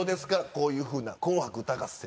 こういうふうな『紅白歌合戦』。